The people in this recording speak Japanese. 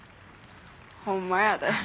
ホンマやで。